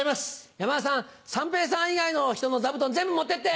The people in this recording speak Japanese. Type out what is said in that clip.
山田さん三平さん以外の人の座布団全部持ってって。